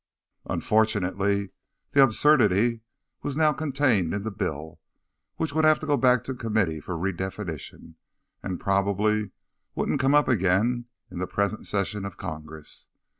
Unfortunately, the absurdity was now contained in the bill, which would have to go back to committee for redefinition, and probably wouldn't come up again in the present session of Congress.